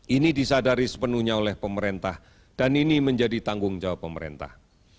ini disadari sepenuhnya oleh pemerintah dan ini menjadi tanggung jawab pemerintah